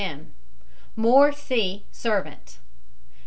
M. MOORE, C., servant.